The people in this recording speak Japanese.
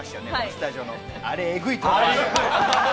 スタジオのあれ、エグい。